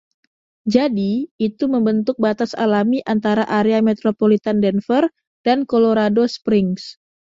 Jadi, itu membentuk batas alami antara area metropolitan Denver dan Colorado Springs.